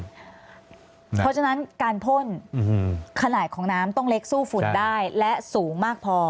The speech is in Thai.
เพราะฉะนั้นการพ่นขนาดของน้ำต้องเล็กสู้ฝุ่นได้และสูงมากพอ